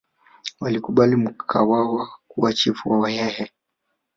walikubali Mkwawa kuwa chifu wa wahehe